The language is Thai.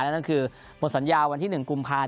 นั่นก็คือหมดสัญญาวันที่๑กุมภาค